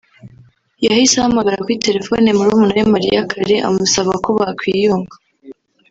yahise ahamagara kuri telefoni murumuna we Mariah Carey amusaba ko bakwiyunga